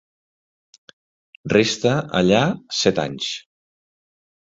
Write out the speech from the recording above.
Resta allà set anys.